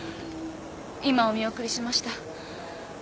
今お見送りしました。